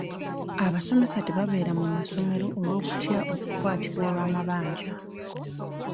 Abasomesa tebabeera mu ssomero olw'okutya okukwatibwa olw'amabanja.